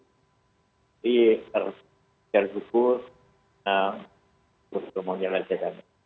jadi harus bersyukur dan bersemangat saja